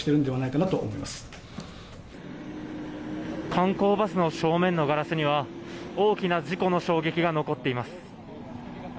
観光バスの正面のガラスには大きな事故の衝撃が残っています。